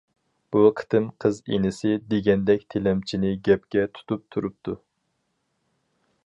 بۇ قېتىم قىز ئىنىسى دېگەندەك تىلەمچىنى گەپكە تۇتۇپ تۇرۇپتۇ.